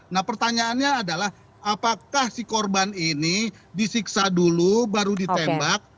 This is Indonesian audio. nah pertanyaannya adalah apakah si korban ini disiksa dulu baru ditembak